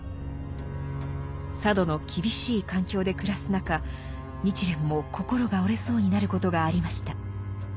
佐渡の厳しい環境で暮らす中日蓮も心が折れそうになることがありました。